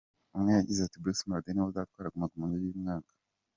Umwe yagize ati “Bruce Melodie ni we uzatwara Guma Guma y’uyu mwaka.